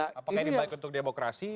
apakah ini baik untuk demokrasi